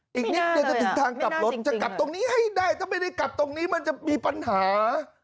อีกนิดเดียวจะถึงทางกลับรถจะกลับตรงนี้ให้ได้ถ้าไม่ได้กลับตรงนี้มันจะมีปัญหา